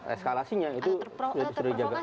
eskalasinya itu sudah dijaga